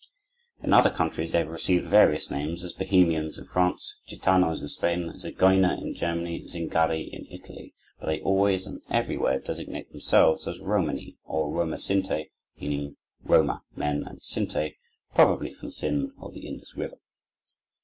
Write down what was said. In other countries they have received various names, as Bohemians in France, Gitanos in Spain, Zigeuner in Germany, Zingari in Italy. But they always and everywhere designate themselves as Romani, or Roma Sinte, meaning, "Roma" (men) and "Sinte," probably from Scind, or the Indus River.